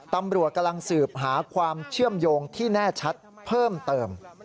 ตำรวจกำลังสืบหาความเชื่อมโยงที่แน่ชัดเพิ่มเติม